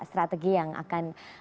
strategi yang akan